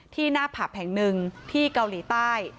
ที่หน้าผ่าแผงหนึ่งที่เกาหลีใต้